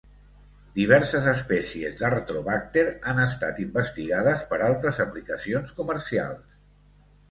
Diverses espècies d'Artrobacter han estat investigades per altres aplicacions comercials.